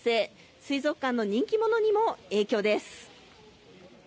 水族館の人気者にも影響です。